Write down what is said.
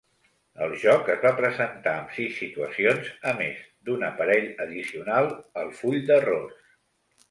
El joc es va presentar amb sis situacions, a més d'una parell addicional al full d'errors.